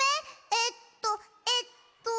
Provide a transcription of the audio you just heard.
えっとえっと。